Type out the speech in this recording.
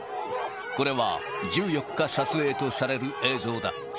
これは、１４日撮影とされる映像だ。